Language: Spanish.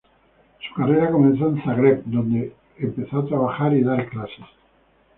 Se carrera comenzó en Zagreb donde empezó a trabajar y dar clases.